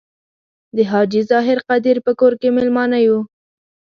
د حاجي ظاهر قدیر په کور کې میلمانه یو.